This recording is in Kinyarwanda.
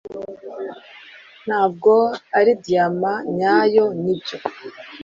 Ntabwo ari diyama nyayo nibyo